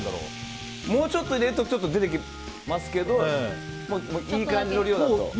もうちょっと入れると出てきますけどいい感じの量で。